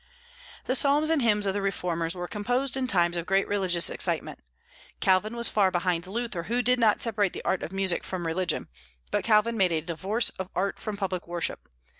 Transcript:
The psalms and hymns of the reformers were composed in times of great religious excitement. Calvin was far behind Luther, who did not separate the art of music from religion; but Calvin made a divorce of art from public worship.